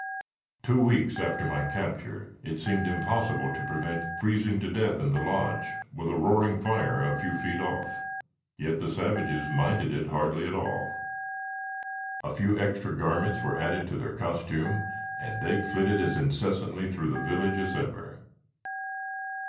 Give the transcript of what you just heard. Two weeks after my capture, it seemed impossible to prevent freezing to death in the lodge with a roaring fire a few feet off. Yet the savages minded it hardly at all. A few extra garments were added to their costume, and they flitted as incessantly through the village as ever.